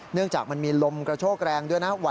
เนื่องจากมันมีลมกระโชคแรงด้วยนะ